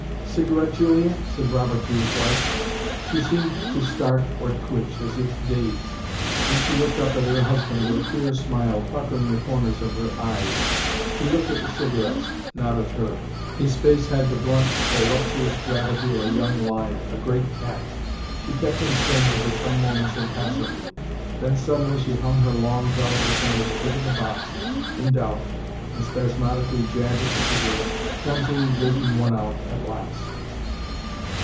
"Cigarette, Julia?" said Robert to his wife. She seemed to start or twitch, as if dazed. Then she looked up at her husband with a queer smile, puckering the corners of her eyes. He looked at the cigarettes, not at her. His face had the blunt voluptuous gravity of a young lion, a great cat. She kept him standing for some moments impassively. Then suddenly she hung her long, delicate fingers over the box, in doubt, and spasmodically jabbed at the cigarettes, clumsily raking one out at last.